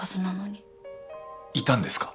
いたんですか？